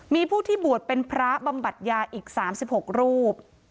มีผู้ที่บวชเป็นพระบำบัดยาอีก๓๖รูป